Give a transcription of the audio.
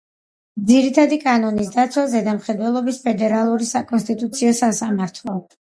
ძირითადი კანონის დაცვას ზედამხედველობს ფედერალური საკონსტიტუციო სასამართლო.